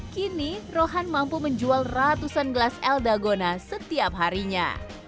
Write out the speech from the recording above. kini rohan mampu menjual ratusan gelas eldagona setiap harinya